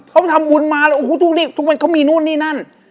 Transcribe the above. เขาทำบุญมาแล้วโอ้โหทุกทุกวันเขามีนู่นนี่นั่น